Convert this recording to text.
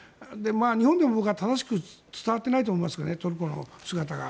日本でも僕は正しく伝わっていないと思いますけどトルコの姿が。